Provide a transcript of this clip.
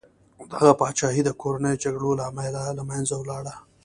دغه پاچاهي د کورنیو جګړو له امله له منځه لاړه.